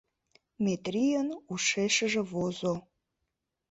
— Метрийын ушешыже возо.